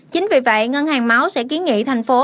chính vì vậy ngân hàng máu sẽ kiến nghị thành phố